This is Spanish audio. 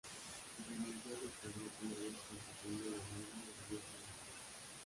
Renunció a sus cargos una vez constituido de nuevo el gobierno en Madrid.